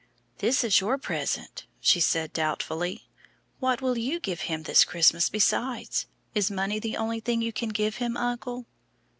"This is your present," she said, doubtfully. "What will you give Him this Christmas besides? Is money the only thing you can give Him, uncle?"